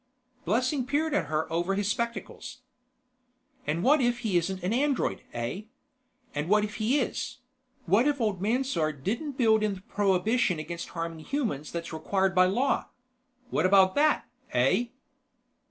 Blessing peered at her over his spectacles. "And what if he isn't an android, eh? And if he is what if old Mansard didn't build in the prohibition against harming humans that's required by law? What about that, eh?"